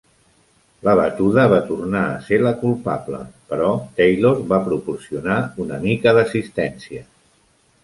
La batuda va tornar a ser la culpable però Taylor va proporcionar una mica d'assistència.